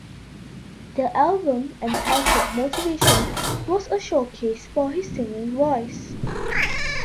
The album, entitled "Motivation", was a showcase for his singing voice.